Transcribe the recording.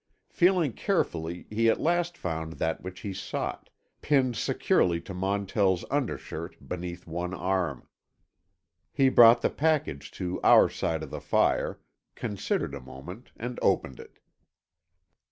Feeling carefully he at last found that which he sought, pinned securely to Montell's undershirt, beneath one arm. He brought the package to our side of the fire, considered a moment and opened it.